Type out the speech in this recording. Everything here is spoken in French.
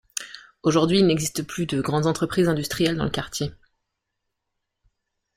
Aujourd'hui, il n'existent plus de grandes entreprises industrielles dans le quartier.